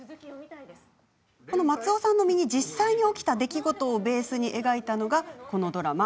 松尾さんの身に実際に起きた出来事をベースに描いたのがこのドラマ